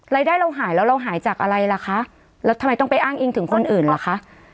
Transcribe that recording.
เราหายแล้วเราหายจากอะไรล่ะคะแล้วทำไมต้องไปอ้างอิงถึงคนอื่นล่ะคะ